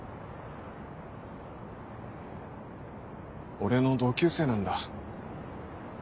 俺の同級生なんだ。